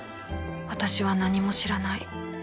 私は何も知らない